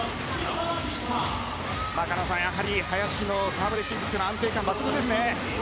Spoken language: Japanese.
狩野さん、林のサーブレシーブは安定感抜群ですね。